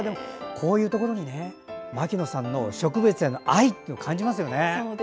こういうところに牧野さんの植物への愛を感じますよね。